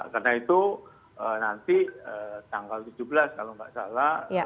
karena itu nanti tanggal tujuh belas kalau tidak salah